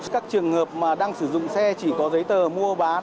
các trường hợp mà đang sử dụng xe chỉ có giấy tờ mua bán